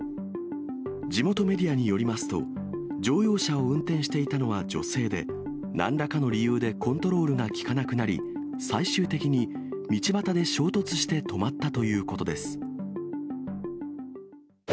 地元メディアによりますと、乗用車を運転していたのは女性で、なんらかの理由でコントロールが効かなくなり、最終的に道端で衝突して止まったということです。